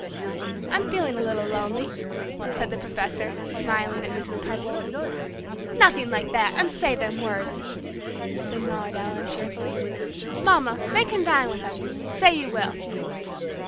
"I'm feeling a little lonely," said the professor, smiling at Mrs. Carr Boldt. "Nothing like that; unsay them woyds," said Maude Allen, cheerfully. "Mamma, make him dine with us! Say you will."